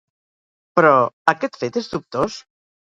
Però, aquest fet és dubtós?